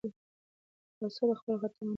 متعصب خپل خطا نه مني